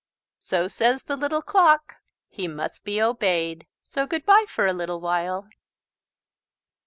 So says the Little Clock. He must be obeyed. So good bye for a little while.